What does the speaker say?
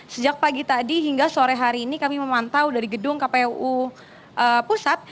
sejak pagi tadi hingga sore hari ini kami memantau dari gedung kpu pusat